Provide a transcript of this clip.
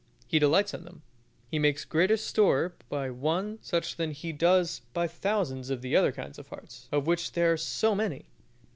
He delights in them; He makes greater store by one such than He does by thousands of the other kinds of hearts, of which there are so many.